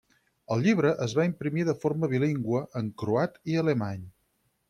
El llibre es va imprimir de forma bilingüe, en croat i alemany.